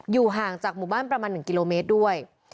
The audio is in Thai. ห่างจากหมู่บ้านประมาณ๑กิโลเมตรด้วย